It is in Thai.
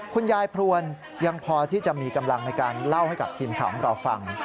คุณยายพรวนยังพอที่จะมีกำลังในการเล่าให้กับทีมข่าวของเราฟัง